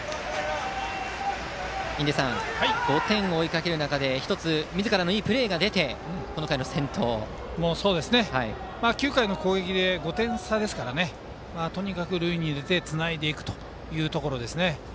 印出さん、５点を追いかける中みずからのいいプレーが出て９回の攻撃で５点差なのでとにかく塁に出てつないでいくというところですね。